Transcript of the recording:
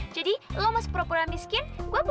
jadi lo masih pura pura miskin gue pura pura kaya